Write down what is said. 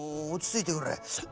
落ち着いてくれ。